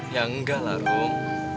ya enggak lah rum